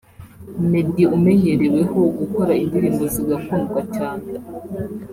Meddy umenyereweho gukora indirimbo zigakundwa cyane